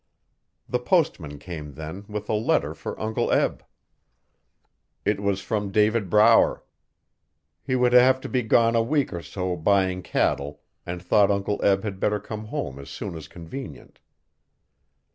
The postman came then with a letter for Uncle Eb. It was from David Brower. He would have to be gone a week or so buying cattle and thought Uncle Eb had better come home as soon as convenient.